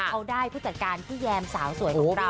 เขาได้ผู้จัดการพี่แยมสาวสวยของเรา